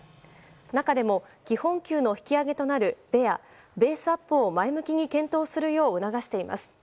中でも基本給の引き上げとなるベア・ベースアップを前向きに検討するよう促しています。